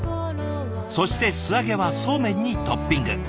そして素揚げはそうめんにトッピング。